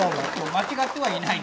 間違ってはいない。